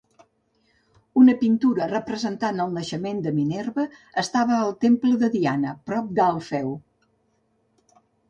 Una pintura representant el naixement de Minerva estava al temple de Diana, prop de l'Alfeu.